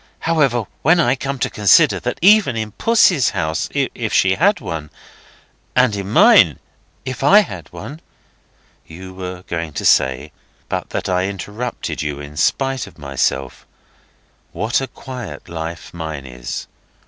However, when I come to consider that even in Pussy's house—if she had one—and in mine—if I had one—" "You were going to say (but that I interrupted you in spite of myself) what a quiet life mine is.